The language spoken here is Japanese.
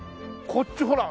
こっちほら！